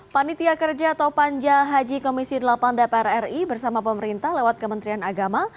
panitia kerja atau panja haji komisi delapan dpr ri bersama pemerintah lewat kementerian agama